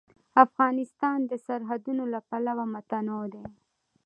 افغانستان د سرحدونه له پلوه متنوع دی.